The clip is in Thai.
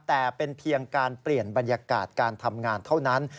แต่เป็นเพียงการเปลี่ยนบรรยากาศการทำงานเท่านั้น